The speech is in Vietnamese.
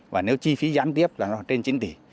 và nếu chi phí gián tiếp là nó trên chín tỷ